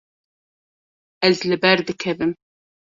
Ez li ber dikevim.